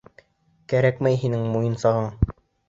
Кәрәкмәй һинең муйынсағың!